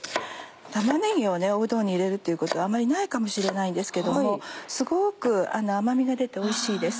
玉ねぎをうどんに入れるということあんまりないかもしれないんですけどすごく甘みが出ておいしいです。